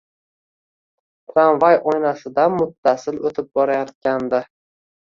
Tramvay oynasidan muttasil o’tib borayotgandi.